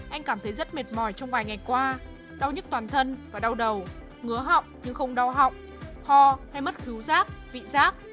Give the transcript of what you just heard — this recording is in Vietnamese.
anh cảm thấy rất mệt mỏi trong vài ngày qua đau nhức toàn thân và đau đầu ngứa họng nhưng không đau họng ho hay mất cứu giác vị rác